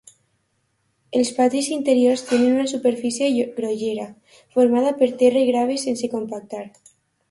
Els patis interiors tenen una superfície grollera, formada per terra i graves sense compactar.